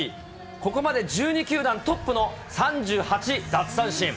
ここまで１２球団トップの３８奪三振。